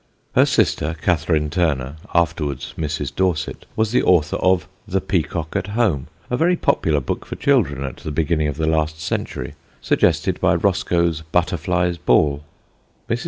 Her sister, Catherine Turner, afterwards Mrs. Dorset, was the author of The Peacock at Home, a very popular book for children at the beginning of the last century, suggested by Roscoe's Butterfly's Ball. Mrs.